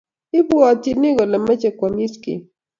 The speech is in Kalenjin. Ibwatyini kole meche koamis Kim